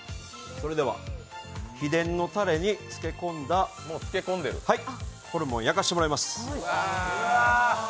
秘伝のたれに漬け込んだホルモンを焼かせてもらいます。